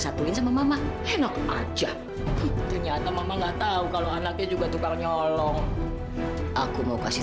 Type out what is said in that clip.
satuin sama mama henok aja ternyata mama nggak tahu kalau anaknya juga tukang nyolong aku mau kasih